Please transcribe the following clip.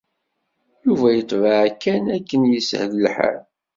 Yuba yetbeɛ kan akken yeshel lḥal.